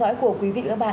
đã nổi dần